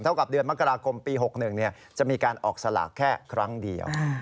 กับเดือนมกราคมปี๖๑จะมีการออกสลากแค่ครั้งเดียว